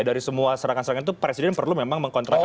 dari semua serangan serangan itu presiden perlu memang mengkontrak itu